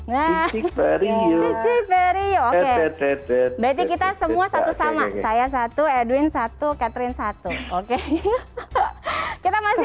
cici periuk berarti kita semua satu sama saya satu edwin satu catherine satu oke kita masih